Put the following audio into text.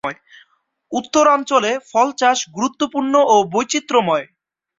উত্তরাঞ্চলে ফল চাষ গুরুত্বপূর্ণ ও বৈচিত্র্যময়।